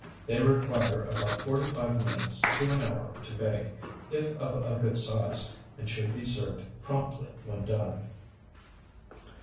They require about forty five minutes to one hour to bake, if of a good size, and should be served promptly when done.